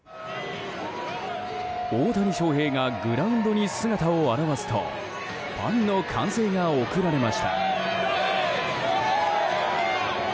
大谷翔平がグラウンドに姿を現すとファンの歓声が送られました。